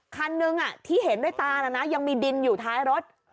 คันหนึ่งที่เห็นด้วยตายังมีดินอยู่ท้ายรถ